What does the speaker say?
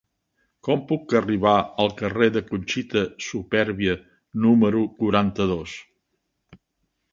Com puc arribar al carrer de Conxita Supervia número quaranta-dos?